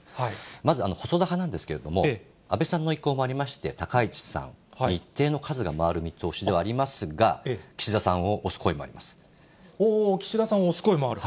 まず細田派なんですけれども、安倍さんの意向もありまして、高市さん、一定の数を回る見通しではありますが、岸田さんを推す声もありま岸田さんを推す声もある。